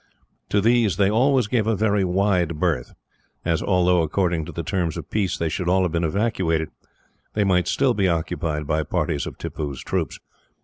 To these they always gave a very wide berth, as although, according to the terms of peace, they should all have been evacuated, they might still be occupied by parties of Tippoo's troops.